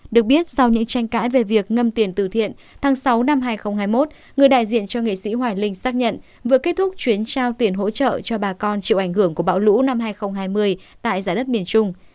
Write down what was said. được biết sau những tranh cãi về việc ngâm tiền từ thiện tháng sáu năm hai nghìn hai mươi một người đại diện cho nghệ sĩ hoài linh xác nhận vừa kết thúc chuyến trao tiền hỗ trợ cho bà con chịu ảnh hưởng của bão lũ năm hai nghìn hai mươi tại giá đất miền trung